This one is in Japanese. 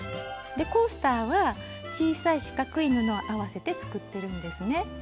コースターは小さい四角い布を合わせて作ってるんですね。